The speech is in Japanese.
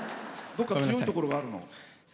どっか強いところがあるの？